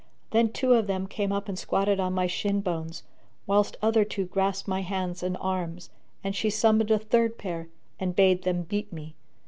Then two of them came up and squatted on my shin bones, whilst other two grasped my hands and arms; and she summoned a third pair and bade them beat me.